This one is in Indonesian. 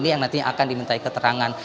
yang nantinya akan dimintai keterangan